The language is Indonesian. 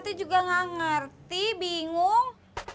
tete juga ngga ngerti bingung